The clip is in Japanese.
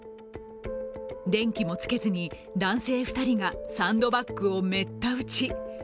電気もつけずに、男性２人がサンドバッグをめった打ち。